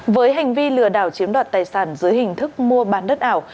với hành vi lừa đảo chiếm đoạt tài sản dưới hình thức mua bán đất ảo